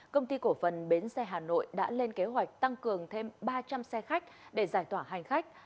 công ty cổ phần bến xe hà nội đã lên kế hoạch tăng cường thêm ba trăm linh xe khách để giải tỏa hành khách